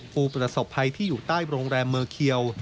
ผู้ประสบภัยที่อยู่ใต้โรงแรมเมอร์เคียว